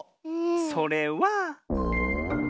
それは。